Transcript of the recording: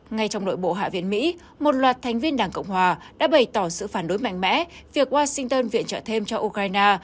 ngay trong nội bộ hạ viện mỹ một loạt thành viên đảng cộng hòa đã bày tỏ sự phản đối mạnh mẽ việc washington viện trợ thêm cho ukraine